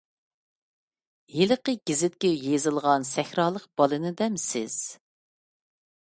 ھېلىقى گېزىتكە يېزىلغان سەھرالىق بالىنى دەمسىز؟